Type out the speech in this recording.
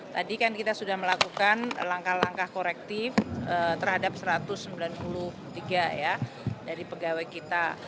tadi kan kita sudah melakukan langkah langkah korektif terhadap satu ratus sembilan puluh tiga ya dari pegawai kita